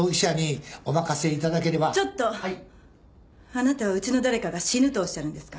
あなたはうちの誰かが死ぬとおっしゃるんですか？